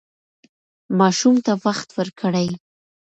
ماشوم ته وخت ورکړئ.